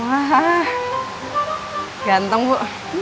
wah ganteng bu